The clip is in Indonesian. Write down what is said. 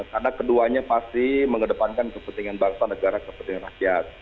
karena keduanya pasti mengedepankan kepentingan bangsa negara kepentingan rakyat